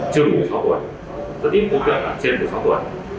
chưa một mươi sáu tuổi rất ít tổ tượng trên một mươi sáu tuổi